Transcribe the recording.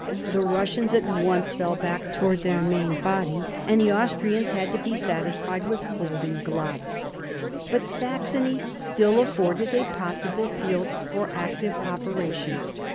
The Kussians at once fell back towards their main body, and the Austrians had to be satisfied with holding Glatz. But Saxony still afforded a possible field for active operations.